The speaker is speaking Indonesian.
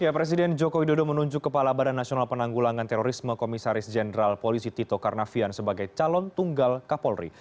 presiden joko widodo menunjuk kepala badan nasional penanggulangan terorisme komisaris jenderal polisi tito karnavian sebagai calon tunggal kapolri